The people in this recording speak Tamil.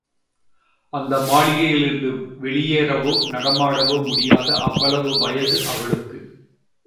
அந்த மாளிகையிலிருந்து வெளியேறவோ, நடமாடவோ முடியாத அவ்வளவு வயது அவளுக்கு.